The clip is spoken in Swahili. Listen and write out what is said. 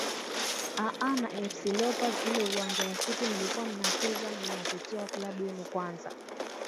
aa na afc leopards ule uwanja wa city mlikuwa mnacheza mnatetea klabu yenu kwanza